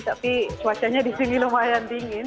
tapi cuacanya di sini lumayan dingin